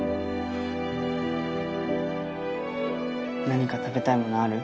何か食べたいものある？